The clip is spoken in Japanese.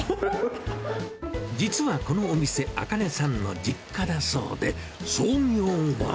実はこのお店、あかねさんの実家だそうで、創業は。